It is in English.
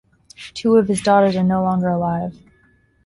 Two of his daughters are no longer alive.